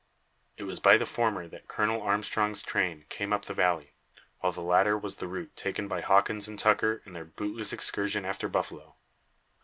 It was by the former that Colonel Armstrong's train came up the valley, while the latter was the route taken by Hawkins and Tucker in their bootless excursion after buffalo.